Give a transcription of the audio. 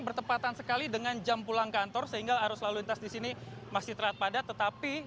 bertepatan sekali dengan jam pulang kantor sehingga arus lalu lintas di sini masih terlihat padat tetapi